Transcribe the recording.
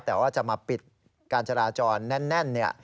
แต่ว่าจะมาปิดการจราจรแน่นเนี่ย